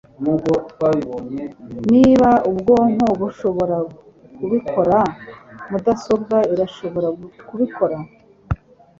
Niba ubwonko bushobora kubikora, mudasobwa irashobora kubikora.